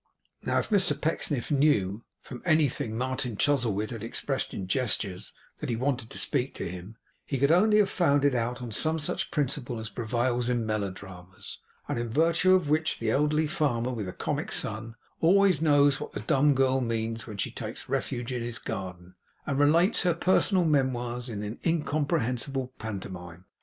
Now if Mr Pecksniff knew, from anything Martin Chuzzlewit had expressed in gestures, that he wanted to speak to him, he could only have found it out on some such principle as prevails in melodramas, and in virtue of which the elderly farmer with the comic son always knows what the dumb girl means when she takes refuge in his garden, and relates her personal memoirs in incomprehensible pantomime.